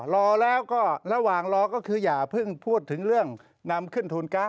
รอแล้วก็ระหว่างรอก็คืออย่าเพิ่งพูดถึงเรื่องนำขึ้นทุนก๊